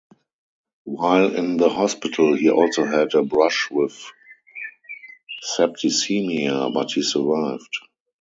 While in the hospital, he also had a brush with septicemia, but he survived.